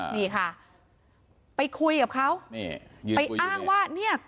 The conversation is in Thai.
นี่ค่ะไปคุยกับเขานี่ไปอ้างว่าเนี่ย